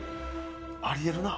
あり得るな。